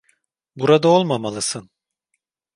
Burada olmamalısın.